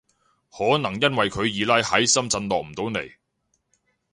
可能因為佢二奶喺深圳落唔到嚟